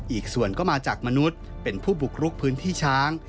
อีกส่วนก็มาจากมนุษย์เป็นผู้บุกรุกพื้นที่ช้าง